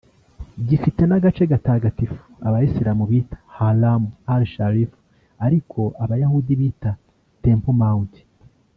Gifite n’agace gatagatifu Abayisilamu bita Haram al-Sharif ariko Abayahudi bita Temple Mount